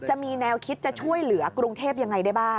จะมีแนวคิดจะช่วยเหลือกรุงเทพยังไงได้บ้าง